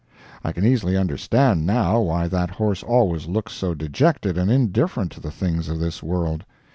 I can easily understand, now, why that horse always looks so dejected and indifferent to the things of this world.